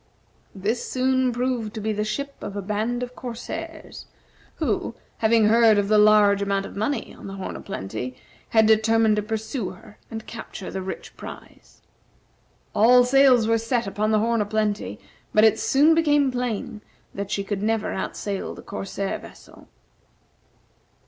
This soon proved to be the ship of a band of corsairs, who, having heard of the large amount of money on the "Horn o' Plenty," had determined to pursue her and capture the rich prize. All sails were set upon the "Horn o' Plenty," but it soon became plain that she could never outsail the corsair vessel.